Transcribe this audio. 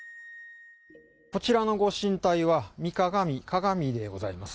（こちらの御神体は御鏡でございます。